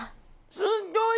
すっギョい！